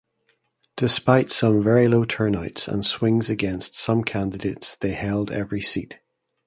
Despite some very low turnouts and swings against some candidates they held every seat.